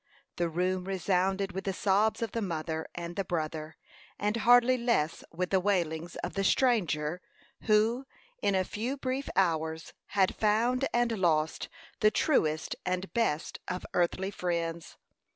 The room resounded with the sobs of the mother and the brother, and hardly less with the wailings of the stranger, who, in a few brief hours had found and lost the truest and best of earthly friends.